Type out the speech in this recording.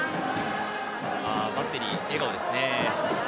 バッテリー、笑顔ですね。